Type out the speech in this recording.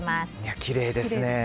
きれいですね。